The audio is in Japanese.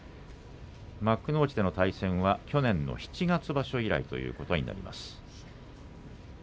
幕内での対戦は去年の七月場所以来ということになります。